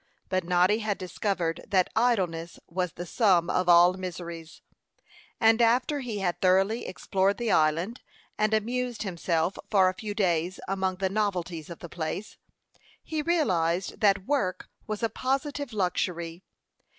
But Noddy had discovered that idleness was the sum of all miseries; and after he had thoroughly explored the island, and amused himself for a few days among the novelties of the place, he realized that work was a positive luxury.